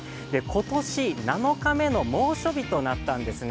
今年７日目の猛暑日となったんですね。